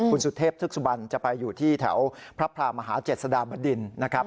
คุณสุทธิพย์ทึกสุบัญจะไปอยู่ที่แถวพระพราหมา๗สดามบดดินนะครับ